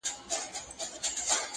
چي ورور ئې نه کې، پر سپور بې نه کې.